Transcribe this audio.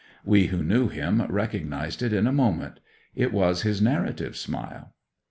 We who knew him recognized it in a moment: it was his narrative smile.